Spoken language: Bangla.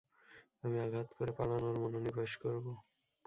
আমি আঘাত করে পালানোতে মনোনিবেশ করব।